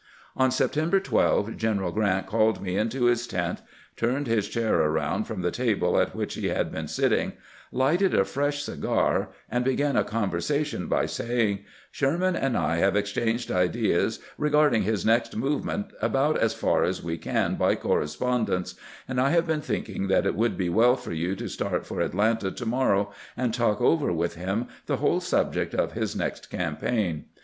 On September 12 General Grant called me into his tent, turned his chair around from the table at which he 288 CAMPAIGNING WITH GRANT had been sitting, lighted a fresh eigar, and began a con versation by saying :" Sherman and I have exchanged ideas regarding his next movement about as far as we can by correspondence, and I have been thinking that it would be well for yon to start for Atlanta to morrow, and talk over with him the whole subject of his next campaign.